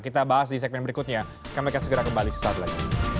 kita bahas di segmen berikutnya kami akan segera kembali ke saat lain